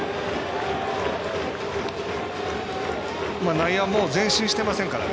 内野は前進してませんから。